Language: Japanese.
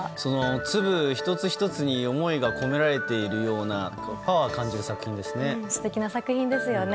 粒１つ１つに思いが込められているようなパワーを感じる作品ですね。